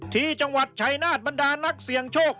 ที่จังหวัดชายนาฏบรรดานักเสี่ยงโชค